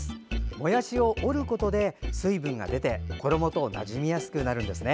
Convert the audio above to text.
もやしを折ることで、水分が出て衣となじみやすくなるんですね。